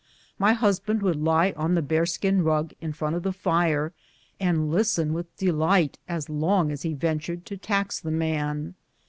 My hus band would lie on the bear skin rug in front of the fire and listen with delight as long as he ventured to tax the man.